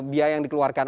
biaya yang dikeluarkan